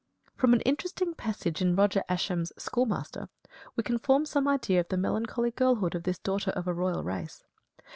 From an interesting passage in Roger Ascham's "Schoolmaster," we can form some idea of the melancholy girlhood of this daughter of a royal race.